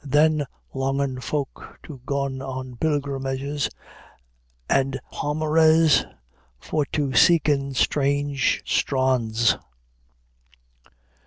"Than longen folk to gon on pilgrimages, And palmeres for to seken strange strondes."